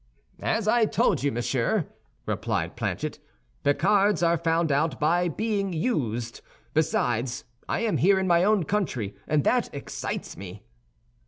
"As I told you, monsieur," replied Planchet, "Picards are found out by being used. Besides, I am here in my own country, and that excites me."